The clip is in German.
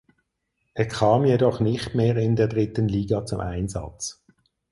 Er kam jedoch nicht mehr in der dritten Liga zum Einsatz.